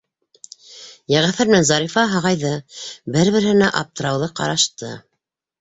Йәғәфәр менән Зарифа һағайҙы, бер-береһенә аптыраулы ҡарашты.